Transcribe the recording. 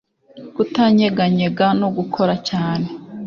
Kutanyeganyega no gukora cyane